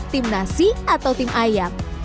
tim nasi atau tim ayam